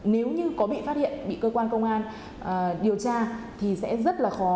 nếu như có bị phát hiện bị cơ quan công an điều tra thì sẽ rất là khó